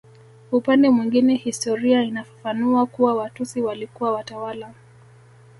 Upande mwingine historia inafafanua kuwa Watusi walikuwa watawala